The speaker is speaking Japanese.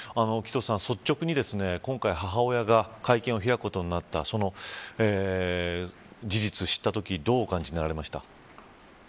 率直に、今回母親が会見を開くことになったその事実を知ったときどう、お感じになられましたか。